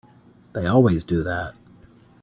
They always do that.